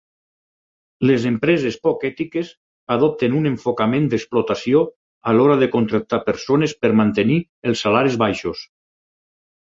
Les empreses poc ètiques adopten un enfocament d'explotació a l'hora de contractar persones per mantenir els salaris baixos.